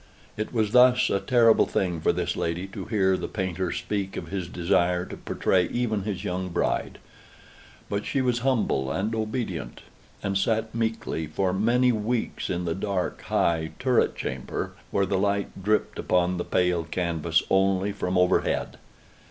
It was thus a terrible thing for this lady to hear the painter speak of his desire to portray even his young bride. But she was humble and obedient, and sat meekly for many weeks in the dark, high turret chamber where the light dripped upon the pale canvas only from overhead.